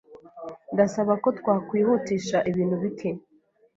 Ndasaba ko twakwihutisha ibintu bike.